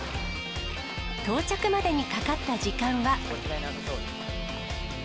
到着までにかかった時間は。